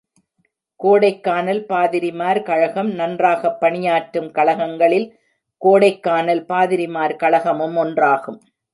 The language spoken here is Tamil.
கோடைக்கானல் பாதிரிமார் கழகம் நன்றாகப் பணியாற்றும் கழகங்களில் கோடைக்கானல் பாதிரிமார் கழக மும் ஒன்றாகும்.